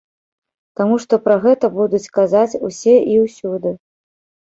Таму што пра гэта будуць казаць усе і ўсюды.